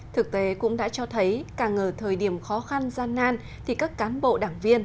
thực tế cũng đã cho thấy càng ở thời điểm khó khăn gian nan thì các cán bộ đảng viên